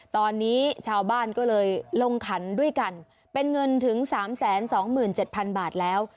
ตอนนี้ชาวบ้านก็เลยลงขันด้วยกันเป็นเงินถึง๓๒๗๐๐บาทแล้ว